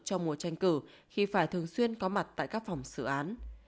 trong mùa tranh cử khi phải thường xuyên có mặt tại các phòng xử án